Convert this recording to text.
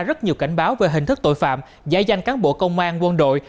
rất nhiều cảnh báo về hình thức tội phạm giải danh cán bộ công an quân đội